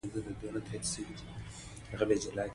جیمي رامیرز نوی سیستم کاروي.